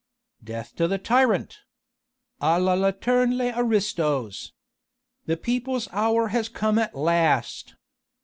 "Death to the tyrant! A la lanterne les aristos! The people's hour has come at last!